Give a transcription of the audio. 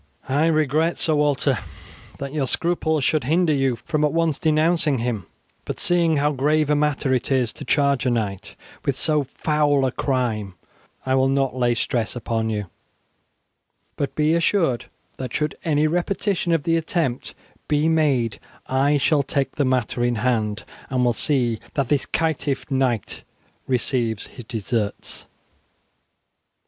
"I regret, Sir Walter, that your scruples should hinder you from at once denouncing him; but seeing how grave a matter it is to charge a knight with so foul a crime, I will not lay stress upon you; but be assured that should any repetition of the attempt be made I shall take the matter in hand, and will see that this caitiff knight receives his desserts."